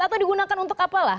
atau digunakan untuk apalah